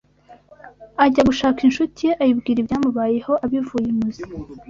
ajya gushaka inshuti ye ayibwira ibyamubayeho abivuye imuzi